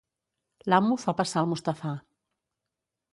L'amo fa passar el Mustafà.